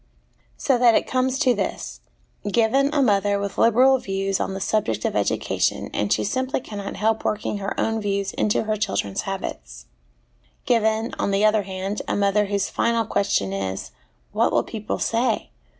So that it comes to this given, a mother with liberal views on the subject of education, and she simply cannot help working her own views into her children's habits ; given, on the other hand, a mother whose final ques tion is, 'What will people say?